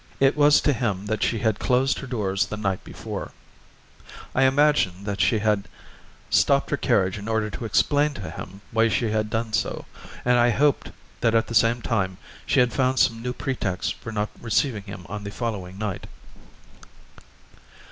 It was to him that she had closed her doors the night before; I imagined that she had stopped her carriage in order to explain to him why she had done so, and I hoped that at the same time she had found some new pretext for not receiving him on the following night.